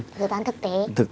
dự toán thực tế